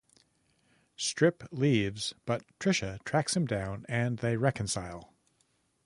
Strip leaves, but Trisha tracks him down and they reconcile.